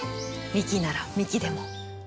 ミキならミキでも。